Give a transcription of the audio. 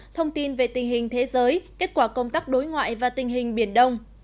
thông tin về tình hình thế giới kết quả công tác đối ngoại và tình hình biển đông